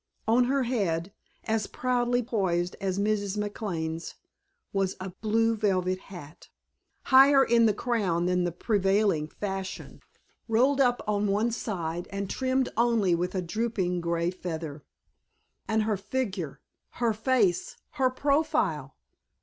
On her head, as proudly poised as Mrs. McLane's, was a blue velvet hat, higher in the crown than the prevailing fashion, rolled up on one side and trimmed only with a drooping gray feather. And her figure, her face, her profile!